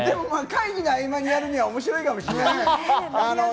会議の合間にやるのは面白いかもしれない。